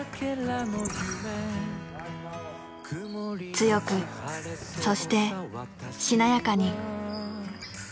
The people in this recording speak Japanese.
強くそしてしなやかに。